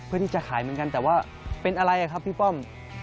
เพื่อที่จะขายเหมือนกันแต่ว่าเป็นอะไรครับพี่ป้อม